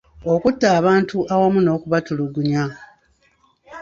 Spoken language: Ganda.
Okutta abantu awamu n'okubatulugunya